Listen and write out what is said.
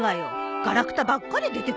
ガラクタばっかり出てくるじゃない。